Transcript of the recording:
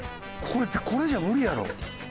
これじゃ無理やろ。